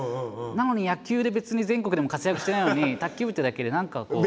なのに野球で別に全国でも活躍してないのに卓球部ってだけで何かこう。